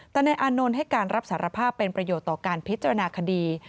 แต่นายอานนท์ให้การรับสารภาพเป็นประโยชน์ต่อการพิจารณาคดี